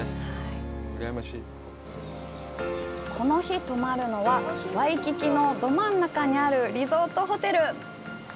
この日、泊まるのは、ワイキキのど真ん中にあるリゾートホテル！